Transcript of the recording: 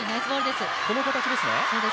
この形ですね。